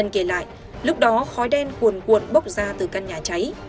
khói đen cuồn cuộn bốc ra từ căn nhà cháy